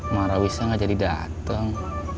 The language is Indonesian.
marah wisnya gak jadi dateng